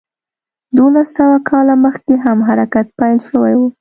دولس سوه کاله مخکې هم حرکت پیل شوی و.